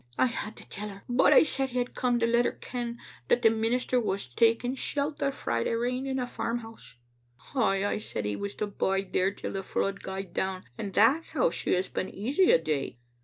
I had to tell her, but I said he had come to let her ken that the minister was taking shelter frae the rain in a farmhouse. Ay, I said he was to bide there till the flood gaed down, and that's how she has been easy a' day.